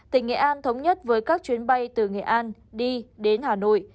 tỉnh nghệ an thống nhất với các chuyến bay từ nghệ an đi đến hà nội